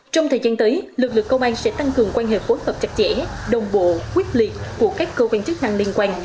trong thời gian tới lực lượng công an sẽ tăng cường quan hệ phối hợp chặt chẽ đồng bộ quyết liệt của các cơ quan chức năng liên quan